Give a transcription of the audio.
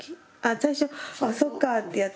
最初「あっそっか」ってやつ？